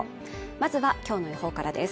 まずはきょうの予報からです